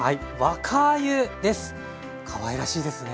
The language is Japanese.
かわいらしいですね。